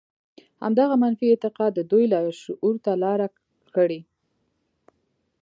همدغه منفي اعتقاد د دوی لاشعور ته لاره کړې